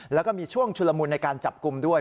แล้วก็มีช่วงชุลมุนในการจับกลุ่มด้วย